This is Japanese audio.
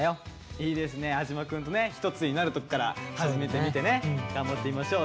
いいですね安嶋くんと一つになるとこから始めてみてね頑張ってみましょう。